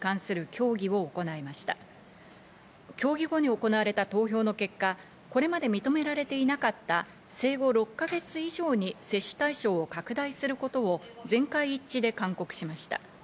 協議後に行われた投票の結果、これまで認められていなかった生後６か月以上に接種対象を拡大することを全会一致で勧告しました。